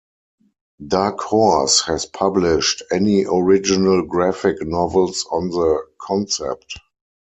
Dark Horse has published any original graphic novels on the concept.